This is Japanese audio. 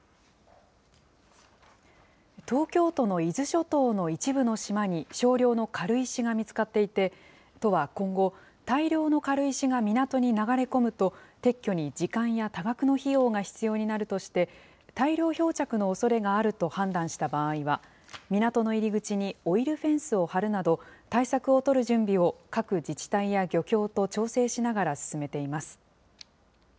東京都の伊豆諸島の一部の島に、少量の軽石が見つかっていて、都は今後、大量の軽石が港に流れ込むと、撤去に時間や多額の費用が必要になるとして、大量漂着のおそれがあると判断した場合は、港の入り口にオイルフェンスを張るなど、対策を取る準備を各自治体や漁協と調整しながら進めています。